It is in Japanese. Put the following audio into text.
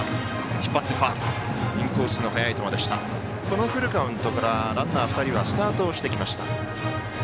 このフルカウントからランナー、２人はスタートをしてきました。